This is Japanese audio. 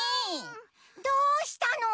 どうしたの？